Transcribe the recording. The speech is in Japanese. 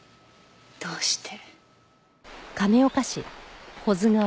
どうして？